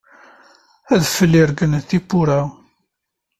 Adfel iregglen tiwwura.